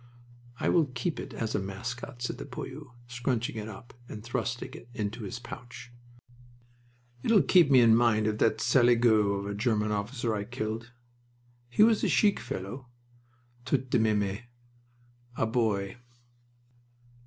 "I will keep it as a mascot," said the poilu, scrunching it up and thrusting it into his pouch. "It'll keep me in mind of that saligaud of a German officer I killed. He was a chic fellow, tout de meme. A boy."